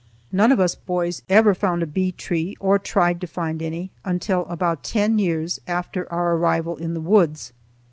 None of us boys ever found a bee tree, or tried to find any until about ten years after our arrival in the woods.